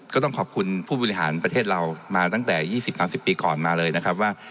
ก็ต้องขอบคุณผู้บริหารประเทศเรามาตั้งแต่๒๐๓๐ปีก่อนมาเลยนะครับว่า